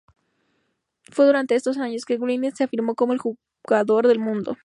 Fue durante estos años que Wilding se afirmó como el mejor jugador del mundo.